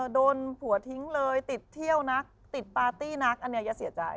โดนผัวทิ้งเลยติดเที่ยวนักติดปาร์ตี้นักอันนี้อย่าเสียใจ